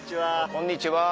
こんにちは。